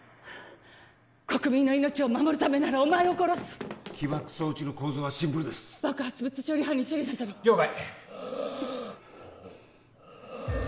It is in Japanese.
国民の命を守るためならお前を殺す起爆装置の構造はシンプルです爆発物処理班に処理させろ了解！